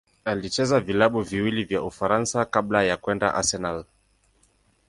Alichezea vilabu viwili vya Ufaransa kabla ya kwenda Arsenal.